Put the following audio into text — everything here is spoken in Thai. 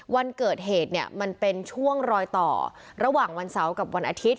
วันเกิดเหตุเนี่ยมันเป็นช่วงรอยต่อระหว่างวันเสาร์กับวันอาทิตย